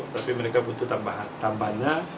tapi mereka butuh tambahannya